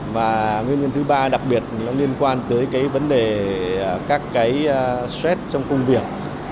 và nguyên nhân thứ ba đặc biệt nó liên quan tới cái vấn đề các cái stress trong công việc